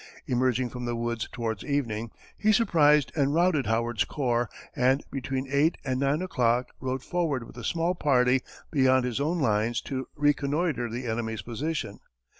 Emerging from the woods towards evening, he surprised and routed Howard's corps, and between eight and nine o'clock rode forward with a small party beyond his own lines to reconnoitre the enemy's position.